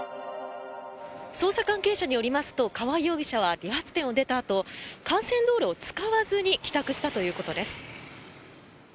捜査関係者によると川合容疑者は理髪店を出たあと幹線道路を使わずに帰宅したということです。